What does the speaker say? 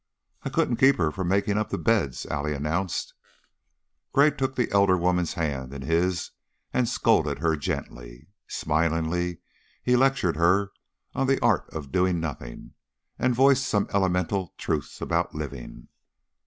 "I couldn't keep her from makin' up the beds," Allie announced. Gray took the elder woman's hand in his and scolded her gently. Smilingly, he lectured her on the art of doing nothing, and voiced some elemental truths about living.